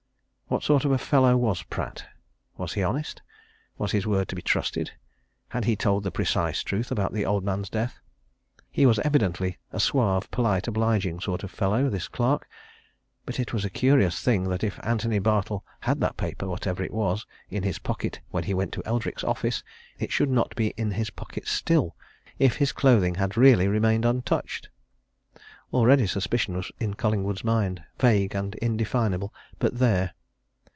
What sort of a fellow was Pratt? Was he honest? Was his word to be trusted? Had he told the precise truth about the old man's death? He was evidently a suave, polite, obliging sort of fellow, this clerk, but it was a curious thing that if Antony Bartle had that paper, whatever it was in his pocket when he went to Eldrick's office it should not be in his pocket still if his clothing had really remained untouched. Already suspicion was in Collingwood's mind vague and indefinable, but there.